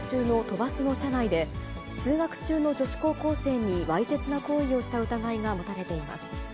バスの車内で、通学中の女子高校生にわいせつな行為をした疑いが持たれています。